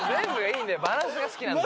バランスが好きなんだよ。